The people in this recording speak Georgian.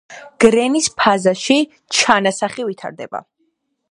გრენის ფაზაში ჩანასახი ვითარდება.